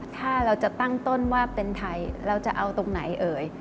ถ้าเราจะตั้งต้นว่าเป็นไทยเราจะเอาตรงไหนเอ่ย